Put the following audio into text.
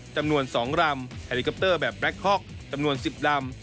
จำนวน๒ลำไฮลิคอปเตอร์แบบแล็คฮ็อกจำนวน๑๐ลำ